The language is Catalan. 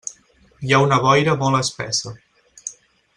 Hi ha una boira molt espessa.